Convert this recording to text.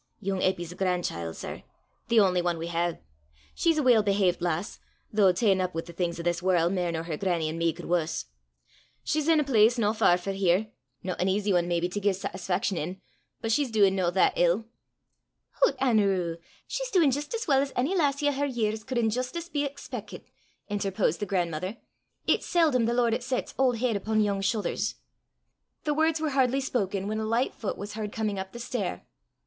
"Yoong Eppy's a gran'child, sir the only ane we hae. She's a weel behavet lass, though ta'en up wi' the things o' this warl' mair nor her grannie an' me could wuss. She's in a place no far frae here no an easy ane, maybe, to gie satisfaction in, but she's duin' no that ill." "Hoot, Anerew! she's duin' jist as weel as ony lassie o' her years could in justice be expeckit," interposed the grandmother. "It's seldom 'at the Lord sets auld heid upo' yoong shoothers." The words were hardly spoken when a light foot was heard coming up the stair.